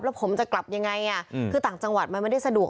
แล้วผมจะกลับยังไงคือต่างจังหวัดมันไม่ได้สะดวก